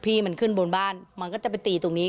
พี่มันขึ้นบนบ้านมันก็จะไปตีตรงนี้